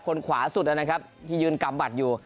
คนขวาสุดนะครับที่ยืนกำบัตรอยู่